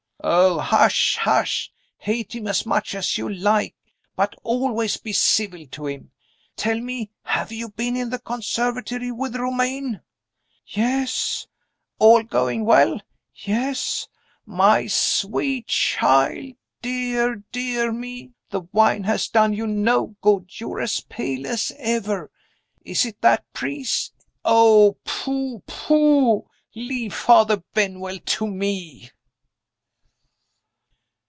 "Oh, hush! hush! Hate him as much as you like; but always be civil to him. Tell me have you been in the conservatory with Romayne?" "Yes." "All going on well?" "Yes." "My sweet child! Dear, dear me, the wine has done you no good; you're as pale as ever. Is it that priest? Oh, pooh, pooh, leave Father Benwell to me."